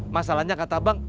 masalahnya kata bank